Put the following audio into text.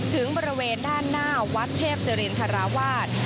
ถึงบริเวณด้านหน้าวัดเทพศิรินทราวาส